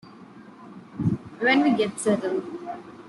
When we get settled.